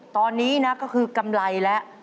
ตอนนี้นะก็คือกำไรแล้ว